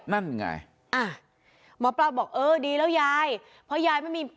นั่นไงอ่ะหมอปลาบอกเออดีแล้วยายเพราะยายไม่มี